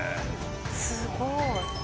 すごい。